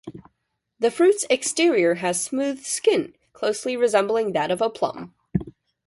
The fruit's exterior has smooth skin closely resembling that of a plum.